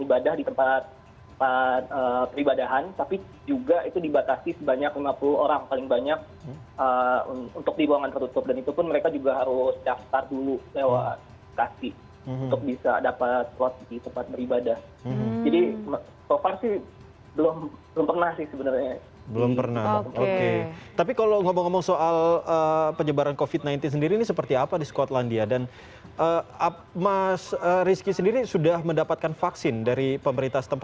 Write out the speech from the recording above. jadi kita lakukan ibadah di tempat peribadahan tapi juga itu dibatasi sebanyak lima puluh orang paling banyak untuk dibuang antarutup